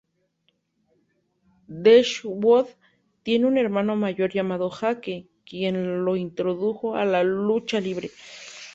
Dashwood tiene un hermano mayor llamado Jake, quien la introdujo a la lucha libre.